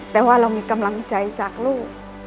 แต่ว่าเรามีกำลังใจจากลูก